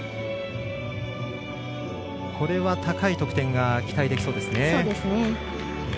これは高い得点が期待できそうです。